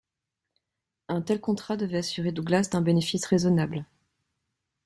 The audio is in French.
Un tel contrat devait assurer Douglas d’un bénéfice raisonnable.